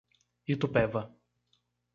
Itupeva